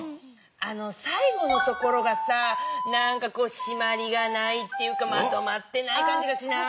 最後のところがしまりがないっていうかまとまってない感じがしない？